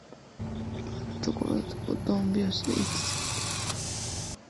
今のところとんとん拍子で行き過ぎている